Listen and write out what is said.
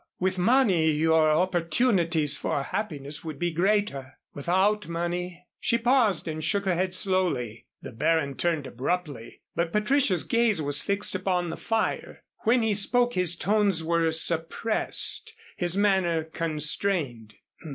With money your opportunities for happiness would be greater. Without money " she paused and shook her head slowly. The Baron turned abruptly, but Patricia's gaze was fixed upon the fire. When he spoke his tones were suppressed his manner constrained.